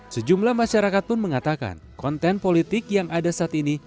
sejumlah masyarakat pun mengatakan konten politik yang ada saat ini